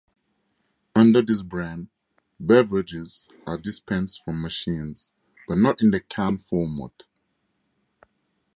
Under this brand, beverages are dispensed from machines, but not in the canned format.